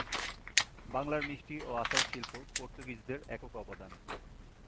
বাংলার মিষ্টি ও আচার শিল্প পর্তুগিজদের একক অবদান।